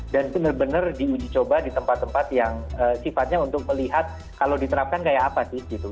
dan benar benar di uji coba di tempat tempat yang sifatnya untuk melihat kalau diterapkan kayak apa sih gitu